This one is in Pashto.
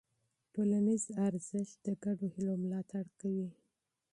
ټولنیز ارزښت د ګډو هيلو ملاتړ کوي.